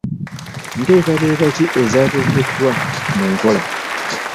Nteekateeka ki ezaateekeddwa mu nkola?